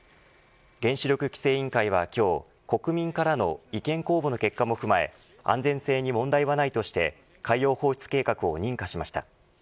原子力規制委員会は今日国民からの意見公募の結果も踏まえ安全性に問題はないとして海洋放出計画を認可しました。